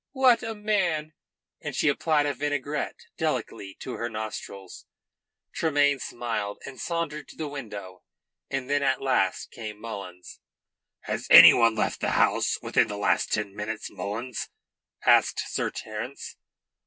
"What a man!" And she applied a vinaigrette delicately to her nostrils. Tremayne smiled, and sauntered to the window. And then at last came Mullins. "Has any one left the house within the last ten minutes, Mullins?" asked Sir Terence.